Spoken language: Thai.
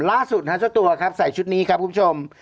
ล่าสุดเจ้าตัวครับใส่ชุดนี้ครับคุณผู้ชม